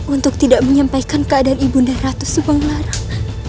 untuk tidak menyampaikan keadaan ibu unda ratus subang larang